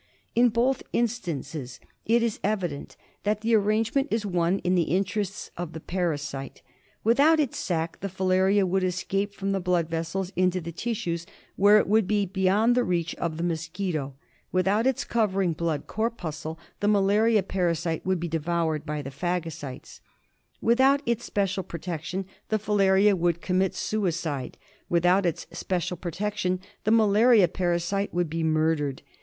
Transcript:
In both instances it is evident that the arrangement is one in the interests of the parasite. Without its sac the filaria would escape from the blood vessels into the tissues, where it would be beyond the reach of the mos quito {^without its covering blood corpuscle the malaria parasite would be devoured by the phagocytesl Without ^ts special protection the filaria would commit suicide ; MALARIA. gt without its special protection the malaria parasite would be murdered.